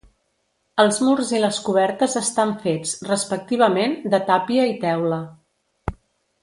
Els murs i les cobertes estan fets, respectivament, de tàpia i teula.